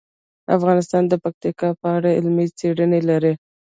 افغانستان د پکتیکا په اړه علمي څېړنې لري.